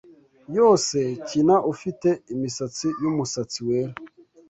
yose Kina ufite imisatsi yumusatsi wera